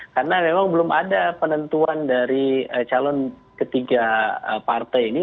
karena memang belum ada penentuan dari calon ketiga partai ini